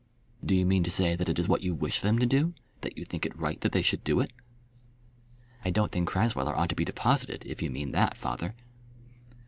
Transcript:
"Do you mean to say that it is what you wish them to do, that you think it right that they should do it?" "I don't think Crasweller ought to be deposited, if you mean that, father."